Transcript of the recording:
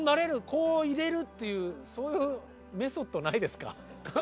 こういれるっていうそういうメソッドないですか？